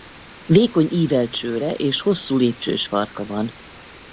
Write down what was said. Vékony ívelt csőre és hosszú lépcsős farka van.